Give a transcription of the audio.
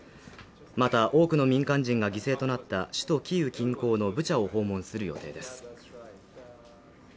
また多くの民間人が犠牲となった首都キーウ近郊のブチャを訪問する予定です